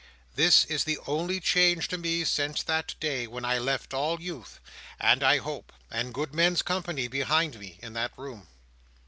This is the only change to me since that day, when I left all youth, and hope, and good men's company, behind me in that room.